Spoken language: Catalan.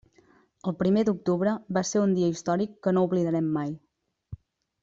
El primer d'octubre va ser un dia històric que no oblidarem mai.